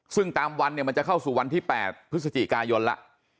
ซึ่งตามวันเนี่ยมันจะเข้าสู่วันที่๘พฤศจิกายนแล้ว